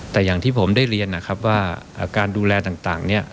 แต่อย่างที่ผมได้เรียนนะครับว่าการดูแลต่างเนี่ย